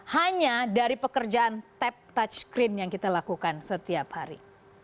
hanya dari pekerjaan tap touch screen yang kita lakukan setiap hari